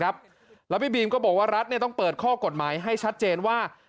แล้วพี่บีมก็บอกว่ารัฐต้องเปิดข้อกฎหมายให้ชัดเจนว่า